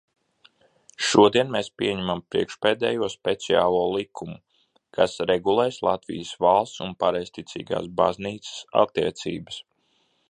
Šodien mēs pieņemam priekšpēdējo speciālo likumu, kas regulēs Latvijas valsts un Pareizticīgās baznīcas attiecības.